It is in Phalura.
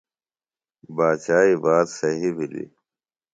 باچائی بات صہیۡ بِھلیۡ